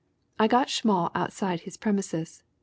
I got Schmall outside his premises.